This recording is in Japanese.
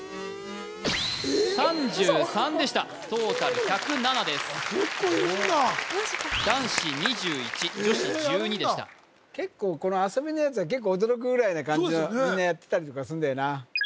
３３でしたトータル１０７です結構いるんだ結構この遊びのやつは驚くぐらいな感じのみんなやってたりとかすんだよな